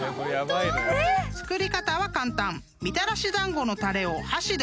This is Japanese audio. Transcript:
［作り方は簡単］